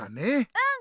うん！